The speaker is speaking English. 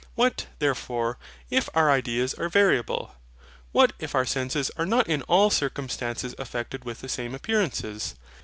What, therefore, if our ideas are variable; what if our senses are not in all circumstances affected with the same appearances.